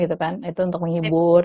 itu untuk menghibur